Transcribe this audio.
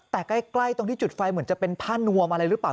แต่ใกล้ตรงที่จุดไฟเหมือนจะเป็นผ้านวมอะไรหรือเปล่า